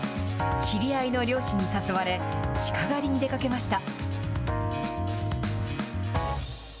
知り合いの猟師に誘われ、鹿狩りに出かけました。